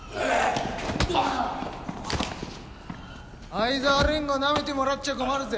愛沢連合なめてもらっちゃ困るぜ。